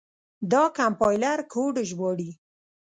دا کمپایلر کوډ ژباړي.